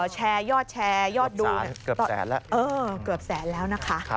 แชร์ยอดแชร์ยอดดูเนี่ยเกือบแสนแล้วนะคะ